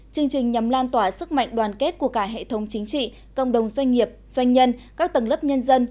chương trình nhằm lan tỏa sức mạnh đoàn kết của cả hệ thống chính trị cộng đồng doanh nghiệp doanh nhân các tầng lớp nhân dân